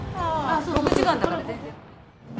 ６時間だから。